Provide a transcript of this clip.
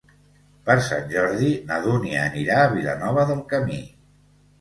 Per Sant Jordi na Dúnia anirà a Vilanova del Camí.